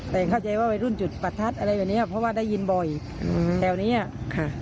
แต่เข้าใจว่าวัยรุ่นจุดประทัดอะไรแบบเนี้ยเพราะว่าได้ยินบ่อยแถวนี้อ่ะค่ะ